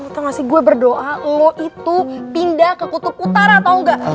tau gak sih gue berdoa lo itu pindah ke kutub utara atau enggak